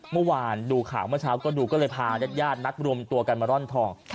เมื่อวานดูข่าวเมื่อเช้าก็ดูก็เลยพาญาติญาตินัดรวมตัวกันมาร่อนทอง